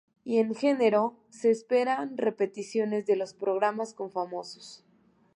Y en enero se esperan repeticiones de los programas con famosos.